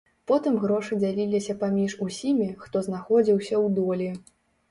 Потым грошы дзяліліся паміж усімі, хто знаходзіўся ў долі.